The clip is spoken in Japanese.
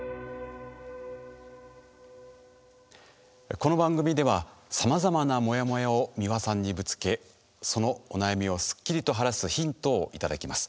この番組ではさまざまなモヤモヤを美輪さんにぶつけそのお悩みをスッキリと晴らすヒントをいただきます。